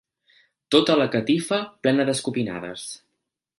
Tota la catifa plena d'escopinades.